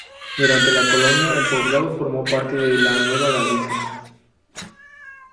Durante la colonia el poblado formó parte de la Nueva Galicia.